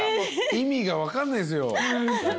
意味が分かんないっすよ。